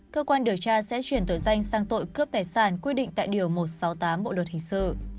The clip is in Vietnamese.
cơ quan điều tra sẽ chuyển tội danh sang tội cướp tài sản quy định tại điều một trăm sáu mươi tám bộ luật hình sự